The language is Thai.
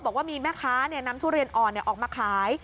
บอกว่ามีแม่ค้านำทุเรียนอ่อนออกมาขาย